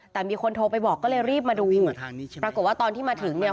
แต่มีคนโทรไปบอกก็เลยรีบมาดูปรากฏว่าตอนที่มาถึงเนี่ย